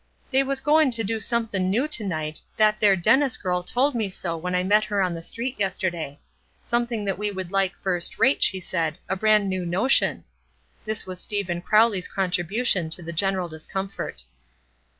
"They was goin' to do somethin' new to night; that there Dennis girl told me so when I met her on the street yesterday; something that we would like first rate, she said a brand new notion." This was Stephen Crowley's contribution to the general discomfort.